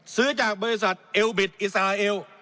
ซื้อจากบริษัทเอลบิตอิสราเอล